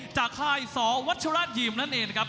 ค่ายสวัชราชยีมนั่นเองนะครับ